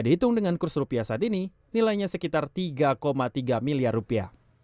dihitung dengan kurs rupiah saat ini nilainya sekitar tiga tiga miliar rupiah